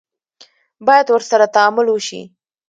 باید ورسره تعامل وشي.